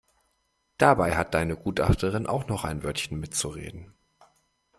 Dabei hat deine Gutachterin auch noch ein Wörtchen mitzureden.